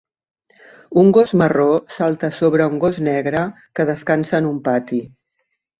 Un gos marró salta sobre un gos negre que descansa en un pati.